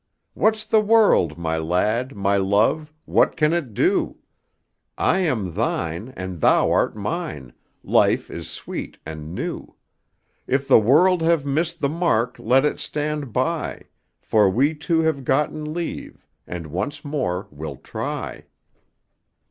What's the world, my lad, my love? What can it do? I am thine, and thou art mine; life is sweet and new. If the world have missed the mark, let it stand by, For we two have gotten leave, and once more we'll try."